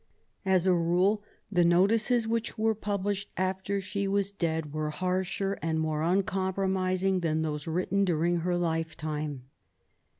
As a rule, the notices which were published after she was dead were harsher and more uncompromising than those written during her lifetime.